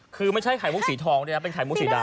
คือไม่ใช่ไข่มุกสีทองด้วยนะเป็นไข่มุกสีดา